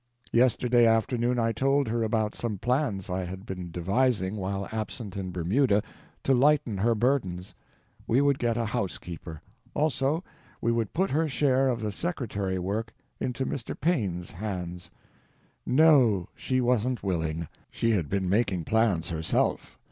Yesterday afternoon I told her about some plans I had been devising while absent in Bermuda, to lighten her burdens. We would get a housekeeper; also we would put her share of the secretary work into Mr. Paine's hands. No—she wasn't willing. She had been making plans herself.